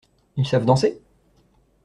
Ils savent danser?